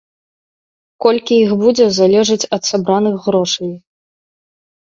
Колькі іх будзе, залежыць ад сабраных грошай.